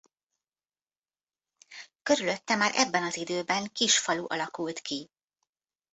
Körülötte már ebben az időben kis falu alakult ki.